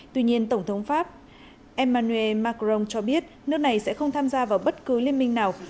tuy nhiên tổng thống pháp emmanuel macron cho biết nước này sẽ không tham gia vào bất cứ liên minh nào